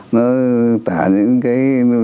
nó tả những cái